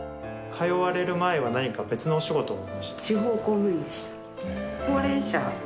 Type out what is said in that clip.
通われる前は何か別のお仕事を？